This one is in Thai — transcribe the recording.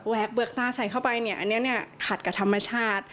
แวกเบือกหน้าใส่เข้าไปอันนี้ขัดกับธรรมชาติ